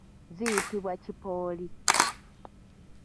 Ziyitibwa kipooli.